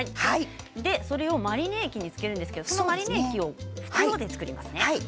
それをマリネ液につけるんですがマリネ液を袋で作ります。